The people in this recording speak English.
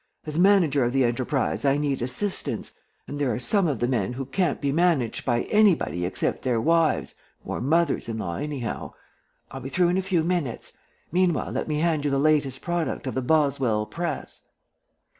As manager of the enterprise I need assistance, and there are some of the men who can't be managed by anybody except their wives, or mothers in law, anyhow. I'll be through in a few minutes. Meanwhile let me hand you the latest product of the Boswell press."